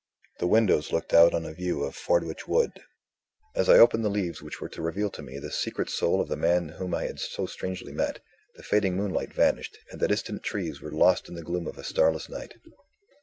The windows looked out on a view of Fordwitch Wood. As I opened the leaves which were to reveal to me the secret soul of the man whom I had so strangely met, the fading moonlight vanished, and the distant trees were lost in the gloom of a starless night.